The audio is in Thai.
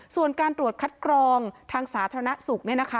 ส่วนการตรวจคัดกรองทางสาธารณสุขเนี่ยนะคะ